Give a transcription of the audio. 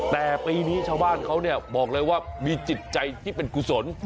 แต่ปีนี้ชาวบ้านเขาเนี่ยบอกเลยว่ามีจิตใจที่เป็นกุศล